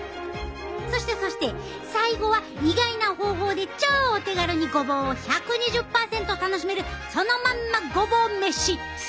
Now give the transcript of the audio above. そしてそして最後は意外な方法で超お手軽にごぼうを１２０％楽しめるそのまんまごぼう飯！